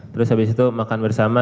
terus habis itu makan bersama